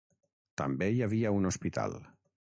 També hi havia un hospital.